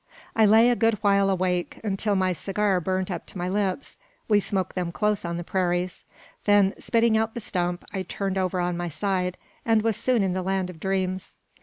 I lay a good while awake, until my cigar burnt up to my lips (we smoke them close on the prairies); then, spitting out the stump, I turned over on my side, and was soon in the land of dreams.